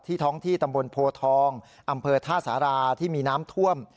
ท้องที่ตำบลโพทองอำเภอท่าสาราที่มีน้ำท่วม